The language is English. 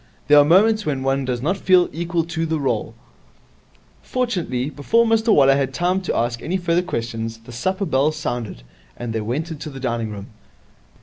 There are moments when one does not feel equal to the role. Fortunately, before Mr Waller had time to ask any further questions, the supper bell sounded, and they went into the dining room.